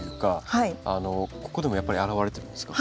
ここでもやっぱり表れてるんですか？